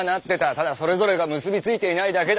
ただそれぞれが結び付いていないだけだ。